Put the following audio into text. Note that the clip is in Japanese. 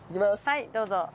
はいどうぞ。